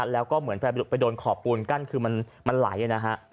แล้วก็เหมือนไปโดนขอบปูนกั้นคือมันไหลนะฮะ